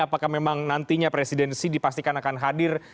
apakah memang nantinya presiden xi dipastikan akan hadir